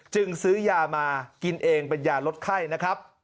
ซื้อยามากินเองเป็นยาลดไข้นะครับ